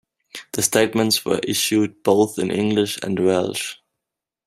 The statements were issued both in English and Welsh.